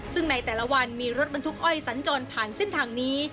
ซึ่งในแต่ละวันมีรถบรรทุกอ้อยสัญจรผ่านเส้นทางนี้